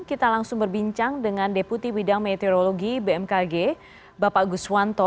kita langsung berbincang dengan deputi bidang meteorologi bmkg bapak guswanto